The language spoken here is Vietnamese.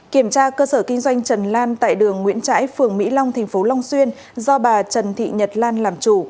kiểm tra cơ sở kinh doanh trần lan tại đường nguyễn trãi phường mỹ long tp long xuyên do bà trần thị nhật lan làm chủ